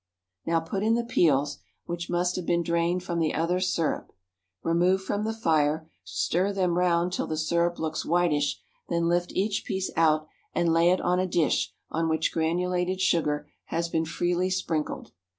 Now put in the peels (which must have been drained from the other syrup); remove from the fire; stir them round till the syrup looks whitish; then lift each piece out and lay it on a dish on which granulated sugar has been freely sprinkled.